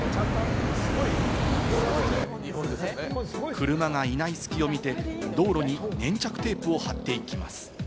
車がいない隙を見て、道路に粘着テープを貼っていきます。